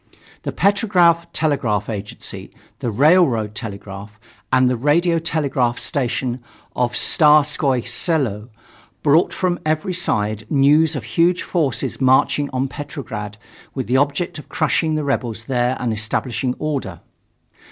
The Petrograd Telegraph Agency, the railroad telegraph, and the radio telegraph station of Tsarskoye Selo brought from every side news of huge forces marching on Petrograd with the object of crushing the rebels there and establishing order.